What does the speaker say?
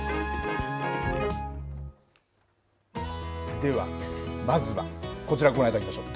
では、まずはこちらご覧いただきましょう。